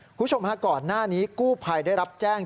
คุณผู้ชมฮะก่อนหน้านี้กู้ภัยได้รับแจ้ง